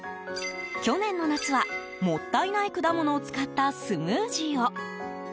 去年の夏は、もったいない果物を使ったスムージーを。